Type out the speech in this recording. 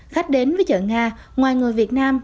khách đến với chợ nga ngoài người việt nam